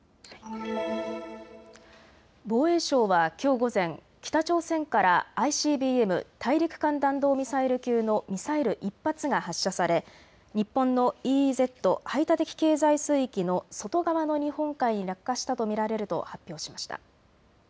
防衛省はきょう午前、北朝鮮からＩＣＢＭ・大陸間弾道ミサイル級のミサイル１発が発射され日本のＥＥＺ・排他的経済水域の外側の日本海に落下したと見られると発表しました。